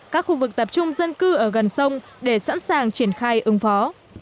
các khu vực tập trung dân cư ở gần sông để sẵn sàng triển khai ứng phó